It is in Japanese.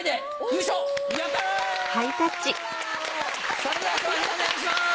それでは賞品お願いします！